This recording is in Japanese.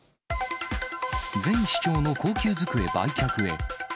前市長の高級机売却へ。